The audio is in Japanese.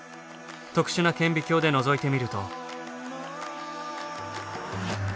特殊な顕微鏡でのぞいてみると。